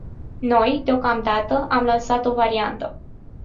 Noi, deocamdată, am lansat o variantă.